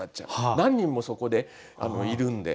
何人もそこでいるんで。